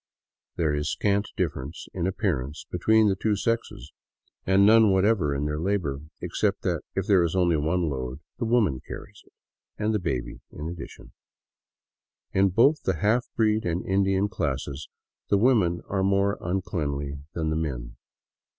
There is scant difference in appearance between the two sexes, and none whatever in their labor, except that, if there is only one load, the woman carries it, and the baby in addition. In both the half breed and Indian classes the women are more uncleanly than the men.